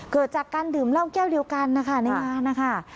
เกิดจากการดื่มเหล้าแก้วเดียวกันนะคะในงานนะคะ